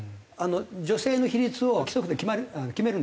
女性の比率を規則で決めるんですよ。